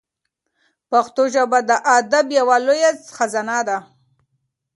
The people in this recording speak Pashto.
پښتو ژبه د ادب یوه لویه خزانه ده.